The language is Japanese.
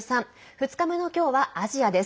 ２日目の今日はアジアです。